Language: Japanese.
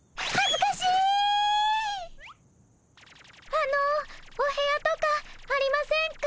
あのお部屋とかありませんか？